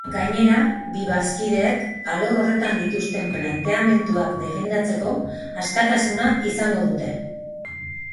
Gainera, bi bazkideek alor horretan dituzten planteamenduak defendatzeko askatasuna izango dute.